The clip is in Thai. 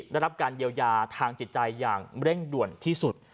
ได้รับการเยียวยาทางจิตใจอย่างเร่งด่วนที่สุด